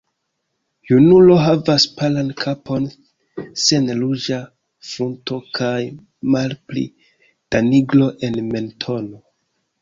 Junulo havas palan kapon sen ruĝa frunto kaj malpli da nigro en mentono.